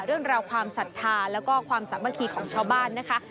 เรื่องราวความศรัทธาแล้วก็ความสามัคคีของชาวบ้านนะคะ